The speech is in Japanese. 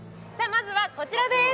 まずはこちらです